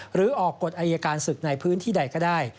หรือออกกฎอายการศึกในพื้นที่ใดก็ได้